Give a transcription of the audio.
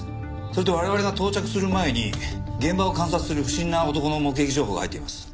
それと我々が到着する前に現場を観察する不審な男の目撃情報が入っています。